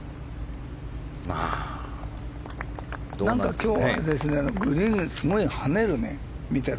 今日はグリーンがすごい跳ねるね。